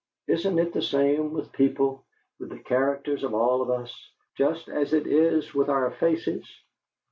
Isn't it the same with people with the characters of all of us, just as it is with our faces?